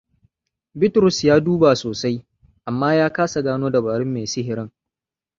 Bitrus ya duba sosai, amma ya kasa gano dabarun mai sihirin.